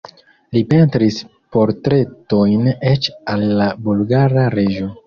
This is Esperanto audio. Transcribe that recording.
Li pentris portretojn eĉ al la bulgara reĝo.